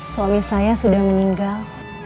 suami saya sudah meninggal